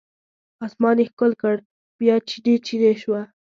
اسمان یې ښکل کړ بیا چینې، چینې شوه